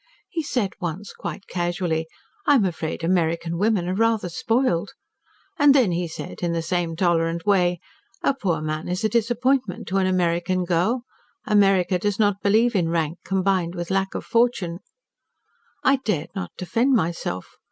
He said once, quite casually, 'I'm afraid American women are rather spoiled.' And then he said, in the same tolerant way 'A poor man is a disappointment to an American girl. America does not believe in rank combined with lack of fortune.' I dared not defend myself.